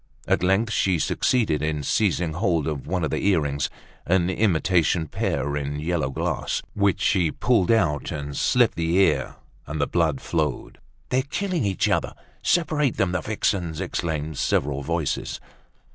At length she succeeded in seizing hold of one of the earrings—an imitation pear in yellow glass—which she pulled out and slit the ear, and the blood flowed. "They're killing each other! Separate them, the vixens!" exclaimed several voices.